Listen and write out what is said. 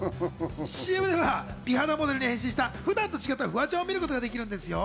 ＣＭでは美肌モデルに変身した普段と違ったフワちゃんを見ることができるんですよ。